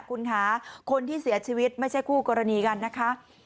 คุณคะคนที่เสียชีวิตไม่ใช่คู่กรณีกันนะคะ